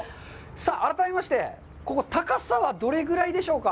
さあ、改めまして、ここ高さはどれぐらいでしょうか。